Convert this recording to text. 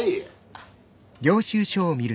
あっ。